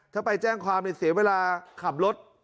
ถ้าไปแจ้งความเสียเวลาขับรถ